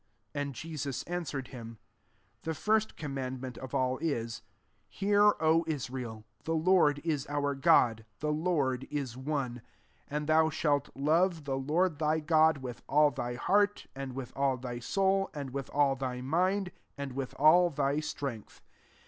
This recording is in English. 29 And Jesus an swered him, "The first com mandment of all is, * Hear, O Israel ; The Lord ie our God : the Lord is one : SO and thou shalt love the Lord thy God with all thy heart, and with all thy soul, and with all thy mind, and with all thy strength.'